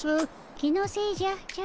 気のせいじゃちゃ